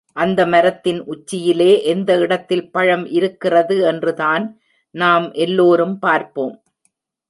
அந்த மரத்தின் உச்சியிலே எந்த இடத்தில் பழம் இருக்கிறது என்றுதான் நாம் எல்லோரும் பார்ப்போம்.